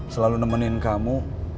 selalu nemenin kamu